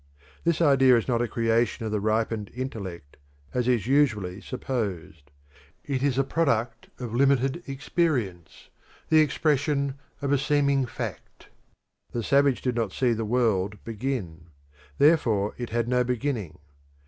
This idea is not a creation of the ripened intellect, as is usually supposed. It is a product of limited experience, and expression of a seeming fact. The savage did not see the world begin; therefore it had no beginning.